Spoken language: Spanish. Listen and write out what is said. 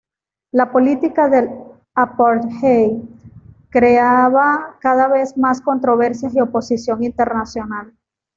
La política del "apartheid" creaba cada vez más controversias y oposición internacional.